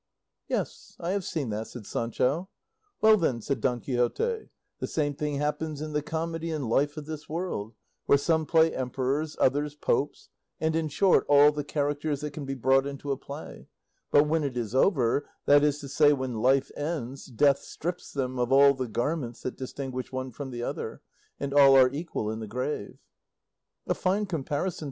"Yes, I have seen that," said Sancho. "Well then," said Don Quixote, "the same thing happens in the comedy and life of this world, where some play emperors, others popes, and, in short, all the characters that can be brought into a play; but when it is over, that is to say when life ends, death strips them all of the garments that distinguish one from the other, and all are equal in the grave." "A fine comparison!"